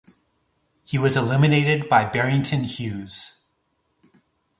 He was eliminated by Barrington Hughes.